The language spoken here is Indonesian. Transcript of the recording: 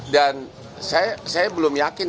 dan saya belum yakin